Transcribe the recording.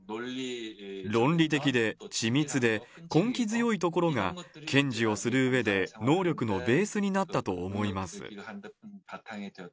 論理的で緻密で、根気強いところが、検事をするうえで能力のベースになったと思います。